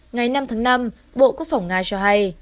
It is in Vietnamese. ngày năm tháng năm bộ quốc phòng nga cho hay